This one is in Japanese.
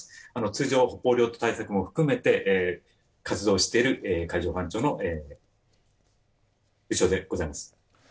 通常、対策も含めて活動している海上保安庁の部署でございます。